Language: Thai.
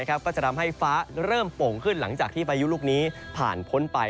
ก็จะทำให้ฟ้าเริ่มโป่งขึ้นหลังจากที่พายุลูกนี้ผ่านพ้นไป